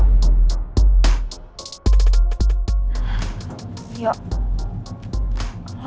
ternyata sekarang dia nggak tahu kemana